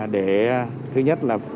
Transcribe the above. để thứ nhất là